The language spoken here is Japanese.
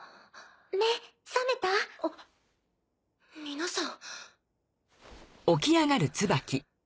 皆さん。